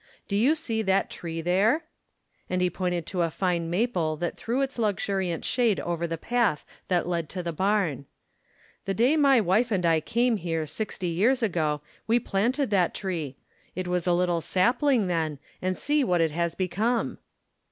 Do you see that tree there ?" and he pointed to a fine maple that threw its luxuriant shade over the path that led to the barn. "The day my wife and I came here sixty years ago, we planted that tree. It was a little sapling then, and see what it has become!"